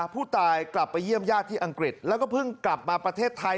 ผู้ตายกลับไปเยี่ยมญาติที่อังกฤษแล้วก็เพิ่งกลับมาประเทศไทย